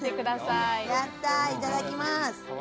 いただきます。